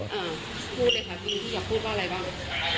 อ่าพูดเลยค่ะบีพี่อยากพูดว่าอะไรบ้าง